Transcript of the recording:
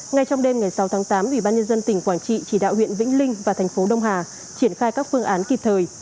ngay trong đêm ngày sáu tháng tám ủy ban nhân dân tỉnh quảng trị chỉ đạo huyện vĩnh linh và thành phố đông hà triển khai các phương án kịp thời